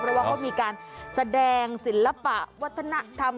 เพราะว่าเขามีการแสดงศิลปะวัฒนธรรม